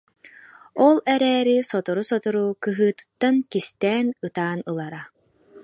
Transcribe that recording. Ол эрээри сотору-сотору кыһыытыттан, кистээн ытаан ылара